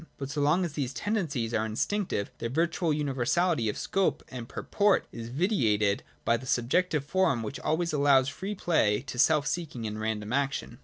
But so long as these tendencies are instinctive, their virtual universality of scope and purport is vitiated by the subjective form which always / allows free play to self seeking and random action.